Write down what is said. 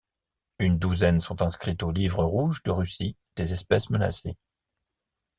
Une douzaine sont inscrites au livre rouge de Russie des espèces menacées.